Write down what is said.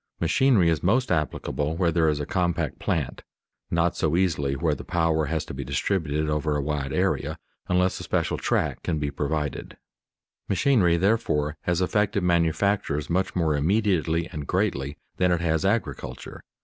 Machinery is most applicable where there is a compact plant; not so easily where the power has to be distributed over a wide area, unless a special track can be provided. [Sidenote: Not to so great an extent in agriculture] Machinery, therefore, has affected manufactures much more immediately and greatly than it has agriculture.